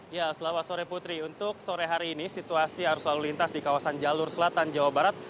ya selamat sore putri untuk sore hari ini situasi arus lalu lintas di kawasan jalur selatan jawa barat